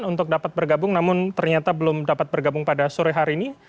untuk dapat bergabung namun ternyata belum dapat bergabung pada sore hari ini